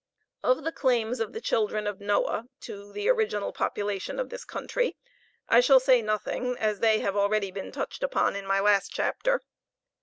Of the claims of the children of Noah to the original population of this country I shall say nothing, as they have already been touched upon in my last chapter.